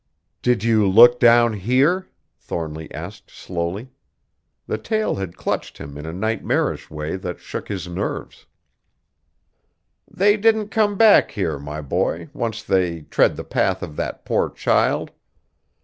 "Did you look down here?" Thornly asked slowly. The tale had clutched him in a nightmarish way that shook his nerves. "They don't come back here, my boy, once they tread the path of that poor child.